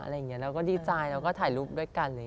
เราก็ดีใจเราก็ถ่ายรูปด้วยกัน